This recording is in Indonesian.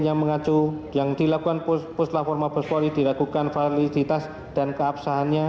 yang mengacu yang dilakukan puslah formabel poli dilakukan validitas dan keabsahannya